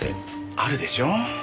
あるでしょう。